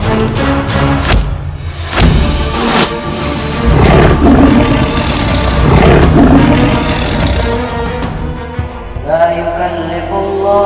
ibu bertahan bu